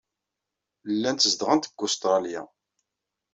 Llant zedɣent deg Ustṛalya.